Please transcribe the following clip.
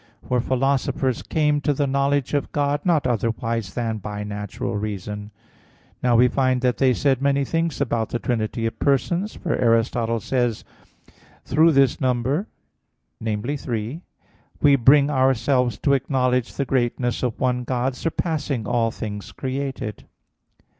For philosophers came to the knowledge of God not otherwise than by natural reason. Now we find that they said many things about the trinity of persons, for Aristotle says (De Coelo et Mundo i, 2): "Through this number" namely, three "we bring ourselves to acknowledge the greatness of one God, surpassing all things created."